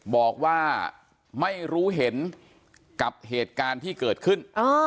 บอกว่าไม่รู้เห็นกับเหตุการณ์ที่เกิดขึ้น